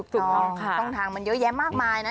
ต้องทางมันเยอะแยะมากมายนะ